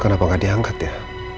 kenapa gak diangkat ya